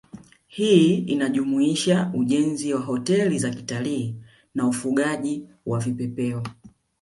Hii inajumuisha ujenzi wa hoteli za kitalii na ufugaji wa vipepeo